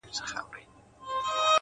د لرې څراغونو کرښه د شپې حد ټاکي’